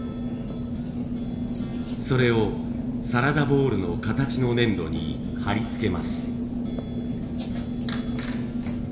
それをサラダボウルの形の粘土に貼り付けます。